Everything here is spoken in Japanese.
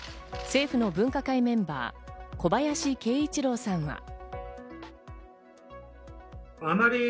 政府の分科会メンバー、小林慶一郎さんは。